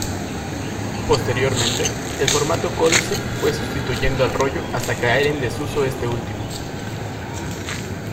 Posteriormente, el formato códice fue sustituyendo al rollo hasta caer en desuso este último.